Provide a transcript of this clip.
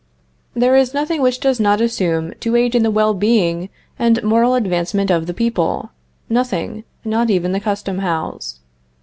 There is nothing which does not assume to aid in the well being and moral advancement of the people nothing, not even the Custom House.